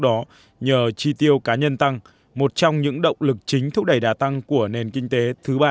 đó nhờ chi tiêu cá nhân tăng một trong những động lực chính thúc đẩy đa tăng của nền kinh tế thứ ba